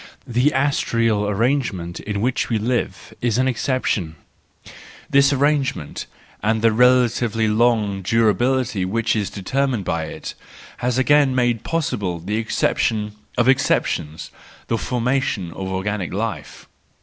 The astral arrange¬ ment in which we live is an exception; this arrangement, and the relatively long durability which is determined by it, has again made possible the exception of exceptions, the formation of organic life.